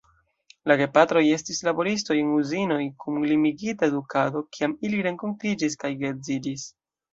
La gepatroj estis laboristoj en uzinoj kun limigita edukado, kiam ili renkontiĝis kaj geedziĝis.